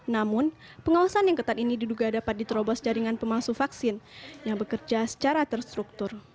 namun pengawasan yang ketat ini diduga dapat diterobos jaringan pemalsu vaksin yang bekerja secara terstruktur